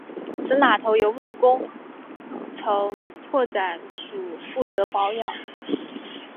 此码头由土木工程拓展署负责保养。